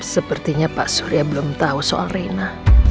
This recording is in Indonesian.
sepertinya pak surya belum tahu soal rena